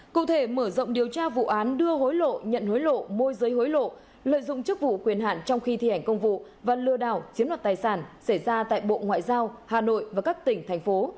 cụ thể mở rộng điều tra vụ án đưa hối lộ nhận hối lộ môi giới hối lộ lợi dụng chức vụ quyền hạn trong khi thi hành công vụ và lừa đảo chiếm đoạt tài sản xảy ra tại bộ ngoại giao hà nội và các tỉnh thành phố